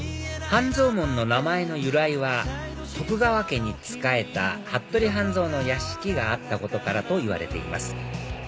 半蔵門の名前の由来は徳川家に仕えた服部半蔵の屋敷があったことからといわれています